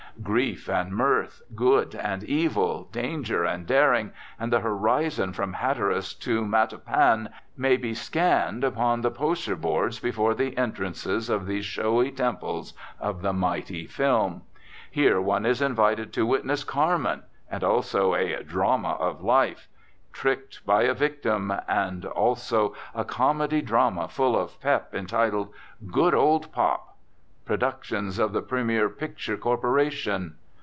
Grief and mirth, good and evil, danger and daring, and the horizon from Hatteras to Matapan may be scanned upon the poster boards before the entrances of these showy temples of the mighty film. Here one is invited to witness "Carmen," and also a "drama of life," "Tricked by a Victim," and also "a comedy drama full of pep" entitled "Good Old Pop," productions of the "Premier Picture Corporation."